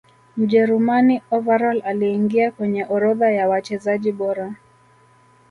mjerumani overall aliingia kwenye orodha ya wachezaji bora